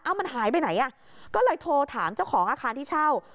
มันหายไปไหนอ่ะก็เลยโทรถามเจ้าของอาคารที่เช่า